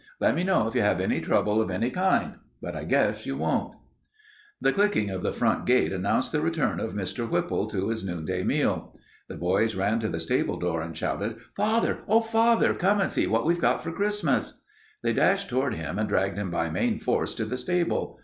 Let me know if you have any trouble of any kind, but I guess you won't." The clicking of the front gate announced the return of Mr. Whipple to his noonday meal. The boys ran to the stable door and shouted, "Father! Oh, father, come see what we've got for Christmas!" They dashed toward him and dragged him by main force to the stable.